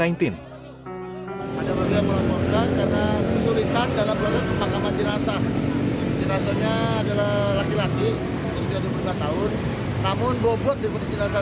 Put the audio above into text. ada warga melaporkan karena kesulitan dalam proses pemakaman jenazah